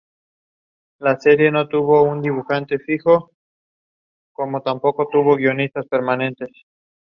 Es el cuarto y último sencillo promocional del álbum.